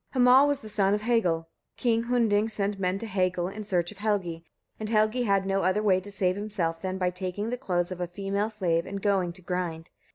Hamal was the son of Hagal. King Hunding sent men to Hagal in search of Helgi, and Helgi had no other way to save himself than by taking the clothes of a female slave and going to grind.